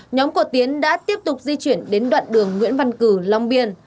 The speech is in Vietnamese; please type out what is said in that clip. nhóm của tiến đã tiếp tục di chuyển đến đoạn đường nguyễn văn cử long biên